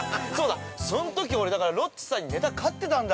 ◆そのとき俺、ロッチさんにネタ勝ってたんだ。